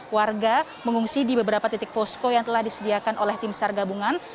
warga mengungsi di beberapa titik posko yang telah disediakan oleh tim sar gabungan